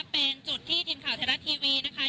เป็นจุดที่ทีมข่าวไทยรัฐทีวีนะคะยังคงปักหลักนะคะ